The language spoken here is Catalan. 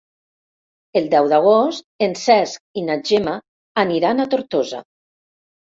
El deu d'agost en Cesc i na Gemma aniran a Tortosa.